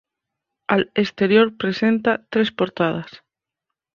Al exterior presenta tres portadas.